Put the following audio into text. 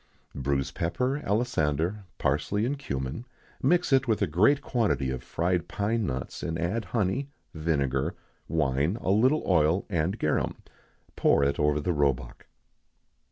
_ Bruise pepper, alisander, parsley, and cummin; mix with it a great quantity of fried pine nuts; and add honey, vinegar, wine, a little oil, and garum. Pour it over the roebuck.